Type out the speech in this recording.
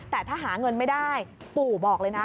แต่ถ้าหาเงินไม่ได้ปู่บอกเลยนะ